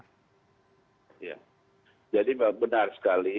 ya jadi benar sekali